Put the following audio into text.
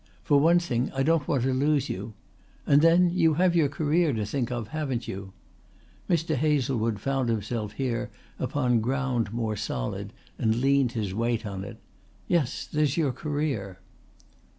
For one thing I don't want to lose you... And then you have your career to think of, haven't you?" Mr. Hazlewood found himself here upon ground more solid and leaned his weight on it. "Yes, there's your career."